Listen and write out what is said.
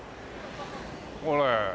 これ。